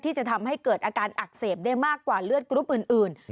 ที่จะทำให้เกิดอาการอักเสบได้มากกว่าเลือดกรุ๊ปอื่น